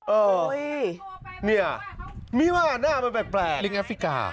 เนี่ยมีว่าหน้ามันแปลกลิงแอฟริกา